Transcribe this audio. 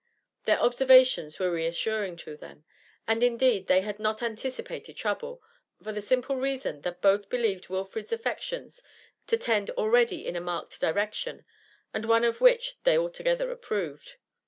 Their observations were reassuring to them. And indeed they had not anticipated trouble, for the simple reason that both believed Wilfrid's affections to tend already in a marked direction, and one of which they altogether approved.